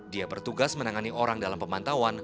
dia bertugas menangani orang dalam pemantauan